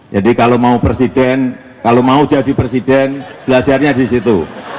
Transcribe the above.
jadi kalau mau presiden kalau mau jadi presiden belajarnya di situ